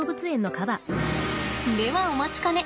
ではお待ちかね。